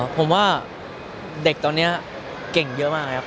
ผมว่าเด็กตอนนี้เก่งเยอะมากนะครับ